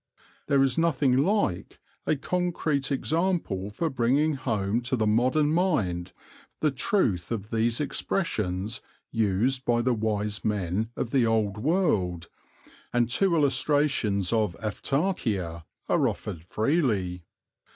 There is nothing like a concrete example for bringing home to the modern mind the truth of these expressions used by the wise men of the old world, and two illustrations of [Greek: autarkeia] are offered freely.